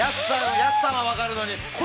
◆安さんは分かるのに。